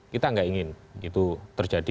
kita nggak ingin itu terjadi